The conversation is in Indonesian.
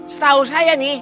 setahu saya nih